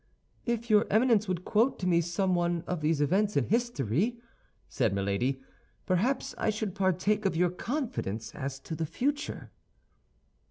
"If your Eminence would quote to me some one of these events in history," said Milady, "perhaps I should partake of your confidence as to the future."